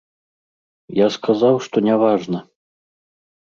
Я сказаў, што няважна.